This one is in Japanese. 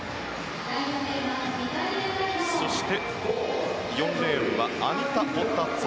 そして、４レーンはアニタ・ボッタッツォ。